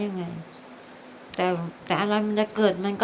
ทั้งในเรื่องของการทำงานเคยทำนานแล้วเกิดปัญหาน้อย